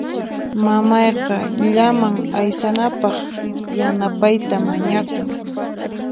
Mamayqa llaman aysanapaq yanapayta mañakun.